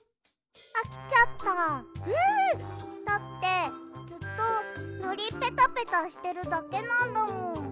だってずっとのりペタペタしてるだけなんだもん。